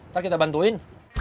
nanti kita bantuin